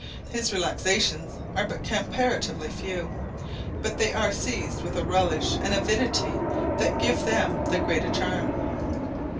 His relaxations are but comparatively few, but they are seized with a relish and avidity that give them the greater charm.